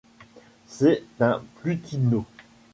C'est un plutino.